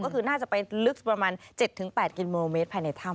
ก็คือน่าจะไปลึกประมาณ๗๘กิโลเมตรภายในถ้ำ